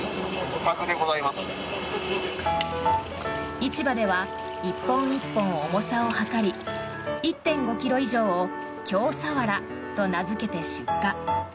市場では１本１本重さを量り１．５ｋｇ以上を京鰆と名付けて出荷。